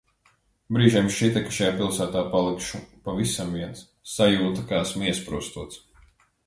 Brīžiem šķita, ka šajā pilsētā palikšu pavisam viens. Sajūta, ka esmu iesprostots.